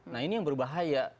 nah ini yang berbahaya